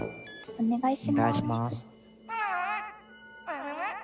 お願いします。